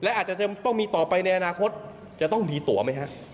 และอาจจะต้องมีต่อไปในอนาคตจะต้องมีตัวไหมฮะ